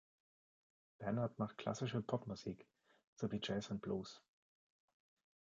Bernhard macht klassische Popmusik, sowie Jazz und Blues.